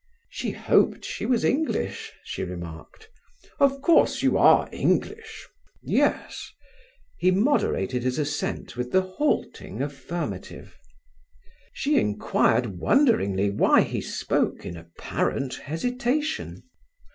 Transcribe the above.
She hoped she was English, she remarked. "Of course you are English; ... yes." He moderated his ascent with the halting affirmative. She inquired wonderingly why he spoke in apparent hesitation.